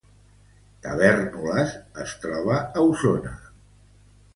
Tavèrnoles es troba a Osona